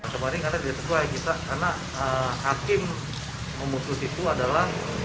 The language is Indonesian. kemarin karena diperluan kita karena hakim memutus itu adalah